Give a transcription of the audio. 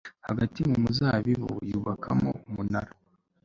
hagati mu muzabibu yubakamo umunara